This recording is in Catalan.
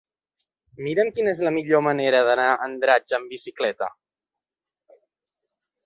Mira'm quina és la millor manera d'anar a Andratx amb bicicleta.